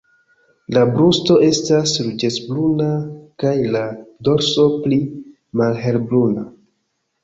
La brusto estas ruĝecbruna kaj la dorso pli malhelbruna.